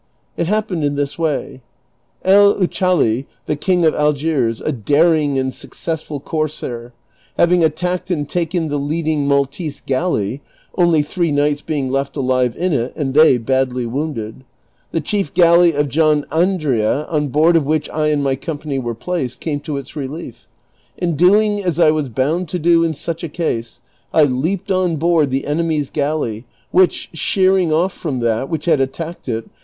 It liappened in this way : El Uchali,^ the King of Algiers, a daring and successful corsair, having attacked and taken the leading Mal tese galley (only three knights being left alive in it, and they badly wounded), the chief galley of ffohn Andrea," on board of which I and my company were placed, came to its relief, and doing as I was bound to do in such a case, I leaped on board the enemy's galley, which, sheering off fi om that which had attacked it.